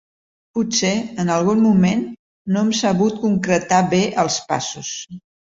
Potser, en algun moment, no hem sabut concretar bé els passos.